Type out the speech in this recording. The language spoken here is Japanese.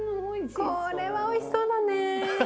これはおいしそうだね。